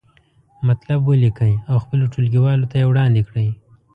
مطلب ولیکئ او خپلو ټولګیوالو ته یې وړاندې کړئ.